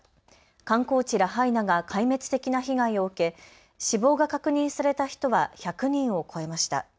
観光地ラハイナが壊滅的な被害を受け死亡が確認された人は１００人を超えました。